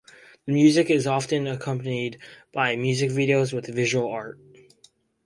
The music is often accompanied by music videos with visual art.